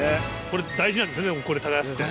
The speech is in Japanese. これ大事なんですよね耕すって。